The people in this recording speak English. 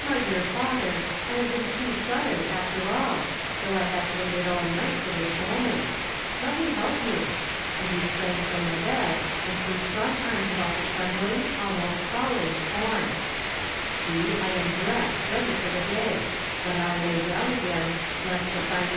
"My dear lather, 1 have been hM) sudden, alter all, though 1 have wait d all night for this moment. Let me help von, ' 'tmi h' s!,; Mig from the bed, and tl u'ew stronu' arms m. dtout tl'.( trend)ling, almost falling, for I JMH dressed, ready for the day; but I lay d S ee. ly down st to lind UK!